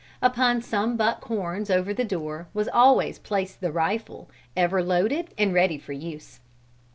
Upon some buck horns over the door was always placed the rifle, ever loaded and ready for use.